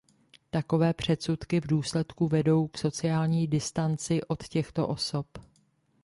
Takové předsudky v důsledku vedou k sociální distanci od těchto osob.